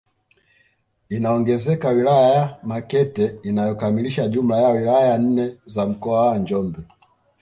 Inaongezeka wilaya ya Makete inayokamilisha jumla ya wilaya nne za mkoa wa Njombe